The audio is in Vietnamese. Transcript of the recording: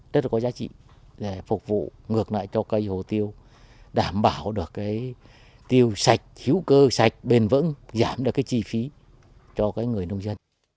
rất là có giá trị để phục vụ ngược lại cho cây hồ tiêu đảm bảo được tiêu sạch hiếu cơ sạch bền vững giảm được chi phí cho người nông dân